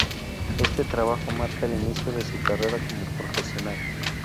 Este trabajo marca el inicio de su carrera como profesional.